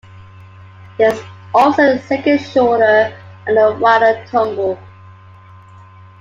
There is also a second shorter and wider tumble.